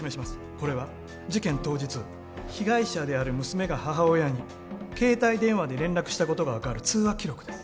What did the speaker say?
これは事件当日被害者である娘が母親に携帯電話で連絡したことが分かる通話記録です